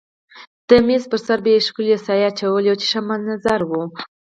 د مېز پر سر به یې ښکلې سایه اچولې وه چې ښه منظر و.